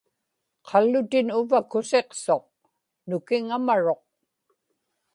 qallutin uvva kusiqsuq; nukiŋamaruq